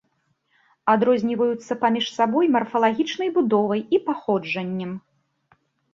Адрозніваюцца паміж сабой марфалагічнай будовай і паходжаннем.